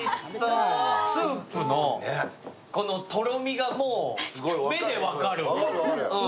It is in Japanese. スープのとろみがもう目で分かる。